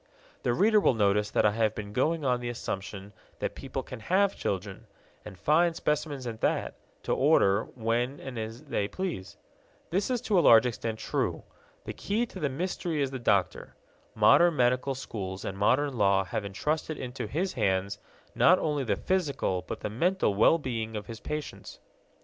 The reader will notice that I have been going on the assumption that people can have children, and fine specimens at that, to order when and as they please. This is to a large extent true. The key to the mystery is the doctor. Modern medical schools and modern law have entrusted into his hands not only the physical but the mental well being of his patients.